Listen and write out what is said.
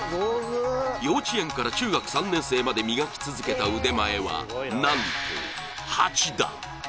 幼稚園から中学３年生まで磨き続けた腕前は、なんと八段。